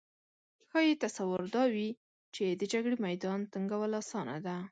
ښايي تصور دا وي چې د جګړې میدان تنګول اسانه ده